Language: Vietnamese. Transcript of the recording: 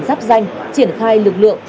giáp danh triển khai lực lượng